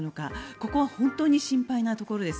ここは本当に心配なところです。